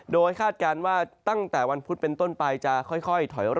โดยคาดการณ์ว่าตั้งแต่วันพุธเป็นต้นปลายจะค่อยค่อยถอยอ้อ